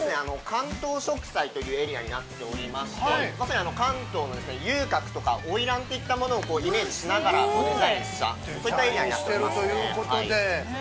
関東食祭というエリアになっておりまして、こちら関東の遊郭とか花魁といったものをイメージしながらデザインしたそういったエリアになっていますね。